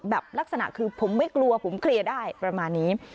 ลักษณะคือผมไม่กลัวผมเคลียร์ได้ประมาณนี้